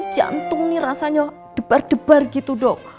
jantung nih rasanya debar debar gitu dok